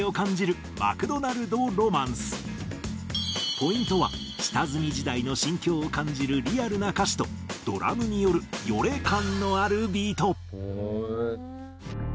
ポイントは下積み時代の心境を感じるリアルな歌詞とドラムによるヨレ感のあるビート。